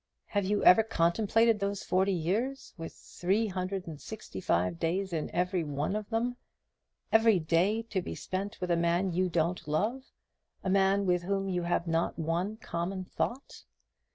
Have you ever contemplated those forty years, with three hundred and sixty five days in every one of them; every day to be spent with a man you don't love a man with whom you have not one common thought?